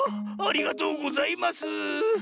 ありがとうございます！